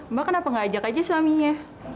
mba kenapa gak ajak aja suaminya